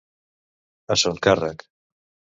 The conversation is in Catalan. A son càrrec.